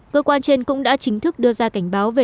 cơ quan trên cũng đã chính thức đưa ra cảnh báo về